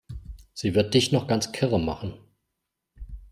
Sie wird dich noch ganz kirre machen.